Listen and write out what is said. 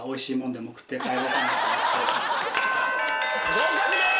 合格です！